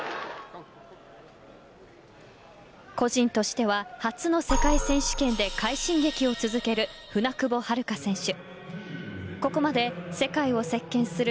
個人としては初の世界選手権で快進撃を続ける舟久保遥香選手。